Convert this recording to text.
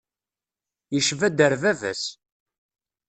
Yecba-d ar bab-as.